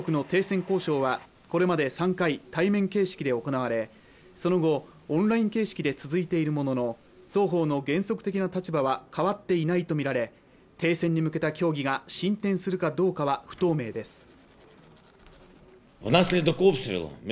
ただ両国の停戦交渉はこれまで３回対面形式で行われその後オンライン形式で続いているものの双方の原則的な立場は変わっていないと見られ停戦に向けた協議が進展するかどうかは不透明です